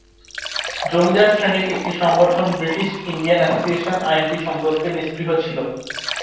জমিদার শ্রেণীর একটি সংগঠন ব্রিটিশ ইন্ডিয়ান অ্যাসোসিয়েশন আইনটি সম্পর্কে নিস্পৃহ ছিল।